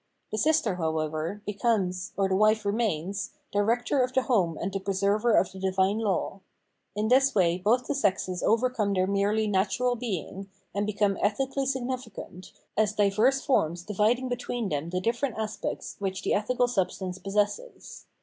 The sister, however, becomes, or the wife remains, director of the home and the preserver of the divine law. In this way both the sexes overcome their merely natural being, and become ethically significant, as diverse forms dividing between them the different aspects which the ethical substance possesses.